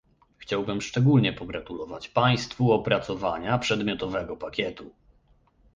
Chciałbym szczególnie pogratulować państwu opracowania przedmiotowego pakietu